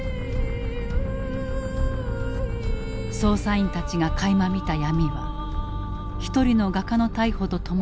捜査員たちがかいま見た闇は一人の画家の逮捕とともに歴史の奥へと消えた。